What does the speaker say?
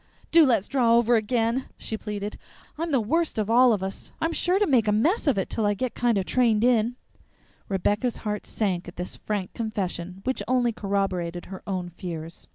"Do let's draw over again," she pleaded. "I'm the worst of all of us. I'm sure to make a mess of it till I kind o' get trained in." Rebecca's heart sank at this frank confession, which only corroborated her own fears.